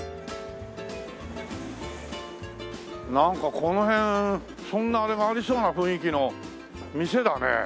なんかこの辺そんなあれがありそうな雰囲気の店だね。